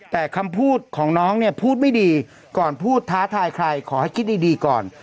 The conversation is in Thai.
แต่คำพูดของน้องเนี่ยพูดไม่ดีก่อนพูดท้าทายใครขอให้คิดดีก่อน